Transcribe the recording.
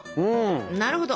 なるほど！